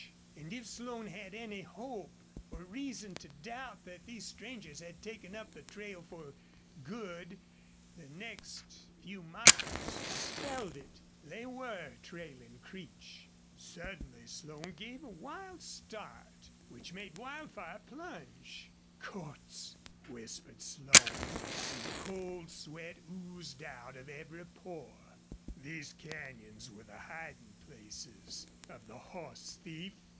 And if Slone had any hope or reason to doubt that these strangers had taken up the trail for good, the next few miles dispelled it. They were trailing Creech. Suddenly Slone gave a wild start, which made Wildfire plunge. "CORDTS!" whispered Slone and the cold sweat oozed out of every pore. These canyons were the hiding places of the horse thief.